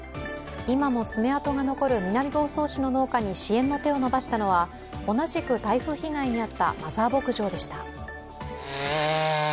今も爪痕が残る南房総市の農家に支援の手を伸ばしたのは同じく台風被害に遭ったマザー牧場でした。